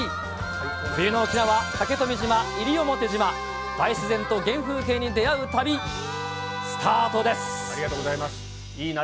冬の沖縄、竹富島、西表島、大自然と原風景に出会う旅、ありがとうございます。